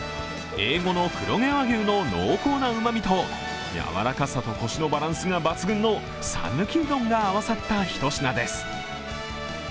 Ａ５の黒毛和牛の濃厚なうまみと、コシのバランスが抜群のさぬきうどんが合わさった一品です。